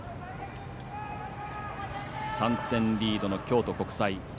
３点リードの京都国際。